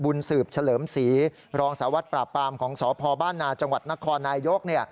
สืบเฉลิมศรีรองสารวัตรปราบปรามของสพบ้านนาจังหวัดนครนายก